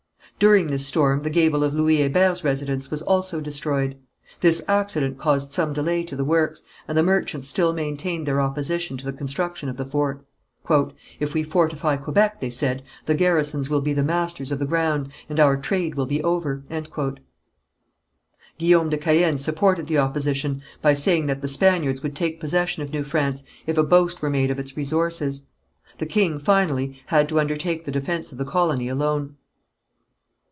During this storm the gable of Louis Hébert's residence was also destroyed. This accident caused some delay to the works, and the merchants still maintained their opposition to the construction of the fort. "If we fortify Quebec," they said, "the garrisons will be the masters of the ground, and our trade will be over." Guillaume de Caën supported the opposition by saying that the Spaniards would take possession of New France, if a boast were made of its resources. The king, finally, had to undertake the defence of the colony alone.